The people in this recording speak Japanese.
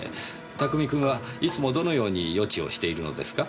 拓海君はいつもどのように予知をしているのですか？